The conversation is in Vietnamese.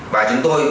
và chúng tôi